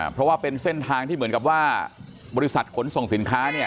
เพราะว่าเป็นเส้นทางที่เหมือนกับว่าบริษัทขนส่งสินค้าเนี่ย